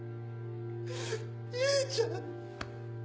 兄ちゃん。